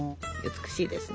美しいですね。